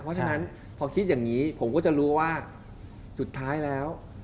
เพราะฉะนั้นพอคิดอย่างนี้ผมก็จะรู้ว่าสุดท้ายแล้ว